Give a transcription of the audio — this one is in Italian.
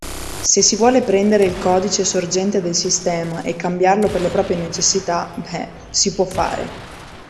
Se si vuole prendere il codice sorgente del sistema e cambiarlo per le proprie necessità, beh, si può fare.